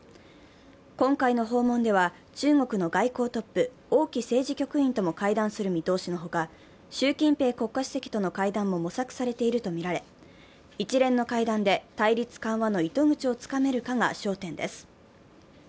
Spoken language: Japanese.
今回の訪問では、中国の外交トップ・王毅政治局員とも会談する見通しのほか、習近平国家主席との会談も模索されているとみられ一連の会談で対立緩和の糸口をつかめるかが焦点です。